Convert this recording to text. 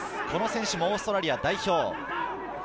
この選手もオーストラリア代表。